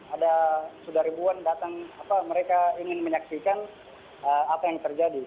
ada sudah ribuan datang mereka ingin menyaksikan apa yang terjadi